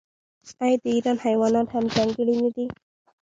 آیا د ایران حیوانات هم ځانګړي نه دي؟